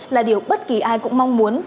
là điều bất kỳ ai cũng mong muốn